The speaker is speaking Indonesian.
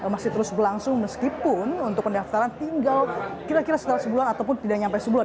masih terus berlangsung meskipun untuk pendaftaran tinggal kira kira setelah sebulan ataupun tidak sampai sebulan